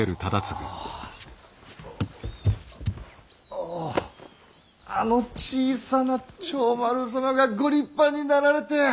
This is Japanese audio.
おおあの小さな長丸様がご立派になられて！